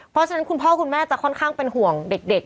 เพราะฉะนั้นคุณพ่อคุณแม่จะค่อนข้างเป็นห่วงเด็ก